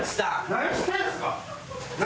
何してんすか！